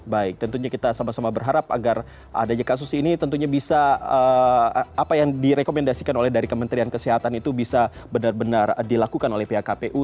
baik tentunya kita sama sama berharap agar adanya kasus ini tentunya bisa apa yang direkomendasikan oleh dari kementerian kesehatan itu bisa benar benar dilakukan oleh pihak kpu